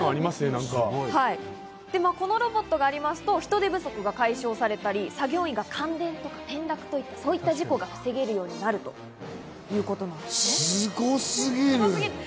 このロボットがありますと、人手不足が解消されたり作業員が感電とか転落といったそういった事故が防げるようになるというこすごすぎる！